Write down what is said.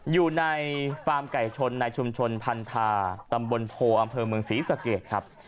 อยู่ในฟาร์มไก่ชนในชุมชนพันธาตำบลโพอำเภอเมืองศรีสะเกดครับ